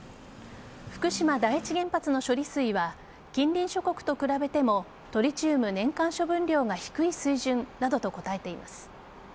福島第一原発の処理水は近隣諸国と比べてもトリチウム年間処分量が低い水準などと答えています。